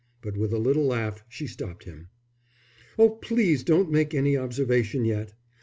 But with a little laugh she stopped him. "Oh, please don't make any observation yet.